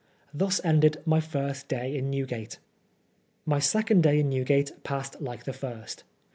Thus ended my first day in Newgate. My second day in Newgate passed like the first.